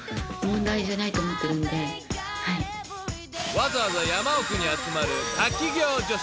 ［わざわざ山奥に集まる滝行女子］